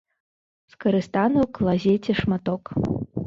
Скарыстаны ў клазеце шматок.